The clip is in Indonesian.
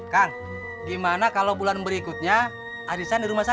kang gimana kalau bulan berikutnya arisan di rumah saya